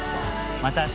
また明日！